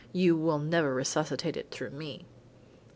You will never resuscitate it through me."